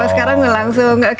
kalau sekarang langsung